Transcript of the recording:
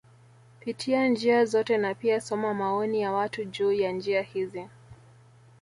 Pitia njia zote na pia soma maoni ya watu juu ya njia hizi